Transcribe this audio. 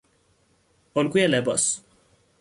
الگوی لباس